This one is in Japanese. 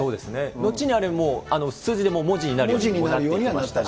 後に、数字で文字になるようにもなっていって。